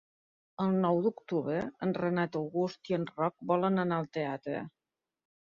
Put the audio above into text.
El nou d'octubre en Renat August i en Roc volen anar al teatre.